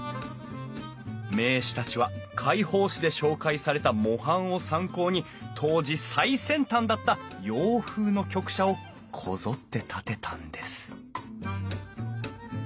名士たちは会報誌で紹介された模範を参考に当時最先端だった洋風の局舎をこぞって建てたんです